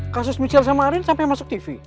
kasus michel sama arin sampai masuk tv